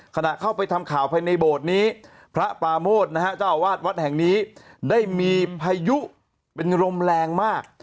ขณะเข้าไปทำข่าวภายในโบสถ์นี้พระปราโมทนะฮะเจ้าอาวาสวัดแห่งนี้ได้มีพายุเป็นลมแรงมาก